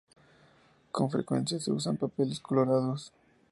Con frecuencia se usan papeles colorados.